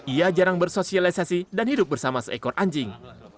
ia jarang bersosialisasi dan hidup bersama seekor anjing